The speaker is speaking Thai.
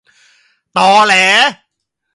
ตอแหล